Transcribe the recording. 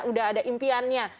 udah ada impiannya